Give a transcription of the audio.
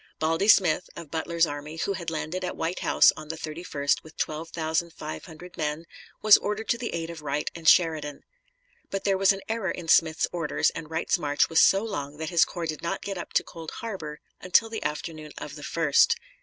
"Baldy" Smith, of Butler's army, who had landed at White House on the 31st with twelve thousand five hundred men, was ordered to the aid of Wright and Sheridan. But there was an error in Smith's orders, and Wright's march was so long that his corps did not get up to Cold Harbor until the afternoon of the 1st.